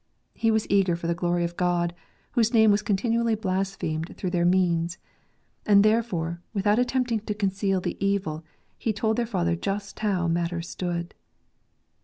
He was eager for the glory of God, whose name was continually blasphemed through their means. And, therefore, without attempting to conceal the evil, he told their father just how matters stood.